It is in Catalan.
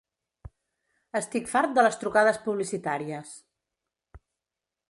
Estic fart de les trucades publicitàries.